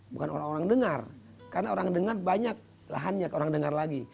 bukan orang orang dengar karena orang dengar banyak lahannya orang dengar lagi